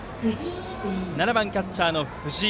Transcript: ７番、キャッチャーの藤井。